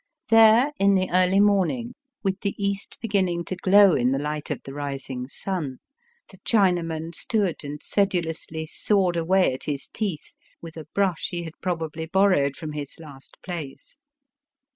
There in the early morning, with the east beginning to glow in the light of the rising sun, the Chinaman stood and sedulously sawed away at his teeth with a brush he had probably borrowed from his last place.